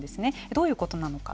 どういうことなのか。